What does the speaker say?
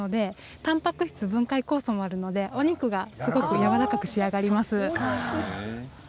たんぱく質分解酵素があるのでお肉がやわらかくなります。